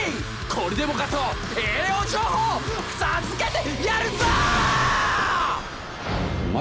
これでもかと栄養情報を授けてやるぞ！